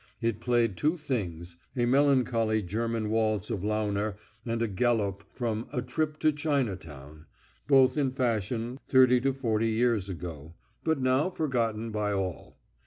It played two things: a melancholy German waltz of Launer and a galop from "A Trip to China Town," both in fashion thirty to forty years ago, but now forgotten by all.